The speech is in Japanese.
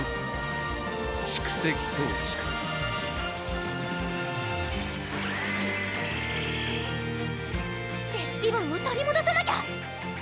蓄積装置かレシピボンを取りもどさなきゃ！